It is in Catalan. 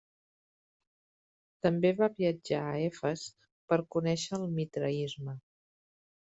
També va viatjar a Efes per conèixer el mitraisme.